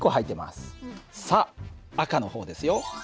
さあ赤の方ですよ。